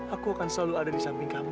aku akan selalu ada di samping kamu